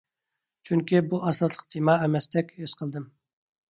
چۈنكى بۇ ئاساسلىق تېما ئەمەستەك ھېس قىلدىم.